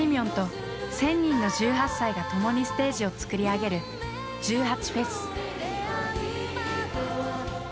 んと１，０００人の１８歳が共にステージを作り上げる１８祭。